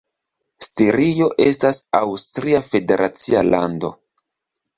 Stirio estas aŭstria federacia lando.